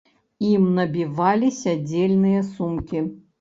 Ім набівалі сядзельныя сумкі.